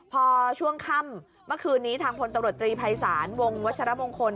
พอช่วงค่ำเมื่อคืนนี้ทางพลตำรวจตรีภัยศาลวงวัชรมงคล